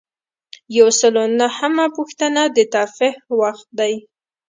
یو سل او نهمه پوښتنه د ترفیع وخت دی.